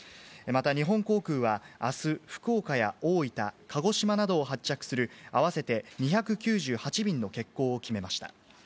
また日本航空は、あす、福岡や大分、鹿児島などを発着する合わせて２９８便の欠航を決めました。